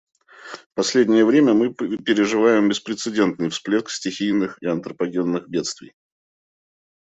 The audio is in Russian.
В последнее время мы переживаем беспрецедентный всплеск стихийных и антропогенных бедствий.